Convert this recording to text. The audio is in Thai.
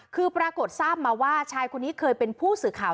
คือปรากฏทราบมาว่าชายคนนี้เคยเป็นผู้สื่อข่าว